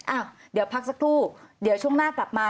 อ้าวเดี๋ยวพักสักครู่เดี๋ยวช่วงหน้ากลับมา